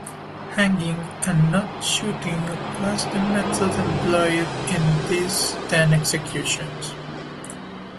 Hanging and not shooting was the method employed in these ten executions.